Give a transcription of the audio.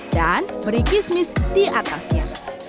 dan beri kismis di atasnya